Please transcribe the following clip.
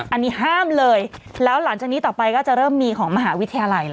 อันนี้ห้ามเลยแล้วหลังจากนี้ต่อไปก็จะเริ่มมีของมหาวิทยาลัยแล้ว